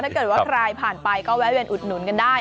ถ้าเกิดว่าใครผ่านไปก็แวะเวียนอุดหนุนกันได้